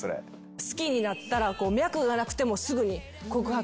好きになったら脈がなくてもすぐに告白してしまう。